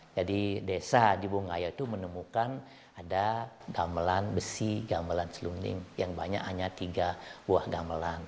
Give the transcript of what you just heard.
jadi desa di bungayu itu menemukan ada gamelan besi gamelan selonding yang banyak hanya tiga buah gamelan